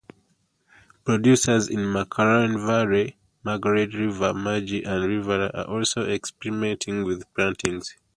Producers in McLaren Vale, Margaret River, Mudgee and Riverland are also experimenting with plantings.